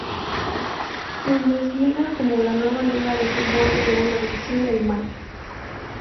Bundesliga como la nueva liga de fútbol de segunda división de Alemania.